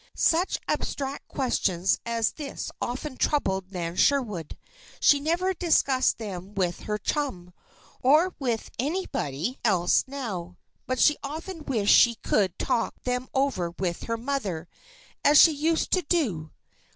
Such abstract questions as this often troubled Nan Sherwood. She never discussed them with her chum, or with anybody else, now. But she often wished she could talk them over with her mother, as she used to do.